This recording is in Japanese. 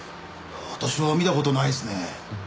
私は見た事ないですね。